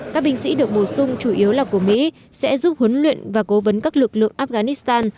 các binh sĩ được bổ sung chủ yếu là của mỹ sẽ giúp huấn luyện và cố vấn các lực lượng afghanistan